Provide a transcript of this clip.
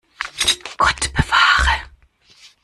Gott bewahre!